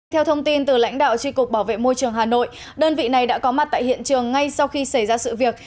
theo thông tin từ lãnh đạo tri cục bảo vệ môi trường hà nội đơn vị này đã có mặt tại hiện trường ngay sau khi xảy ra sự việc